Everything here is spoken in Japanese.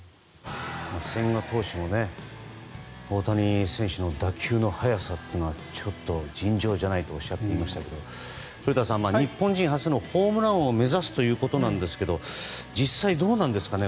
千賀投手も大谷選手の打球の速さはちょっと尋常じゃないとおっしゃっていましたが古田さん、日本人初のホームラン王を目指すということですが実際、どうなんですかね